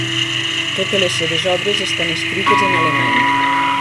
Totes les seves obres estan escrites en alemany.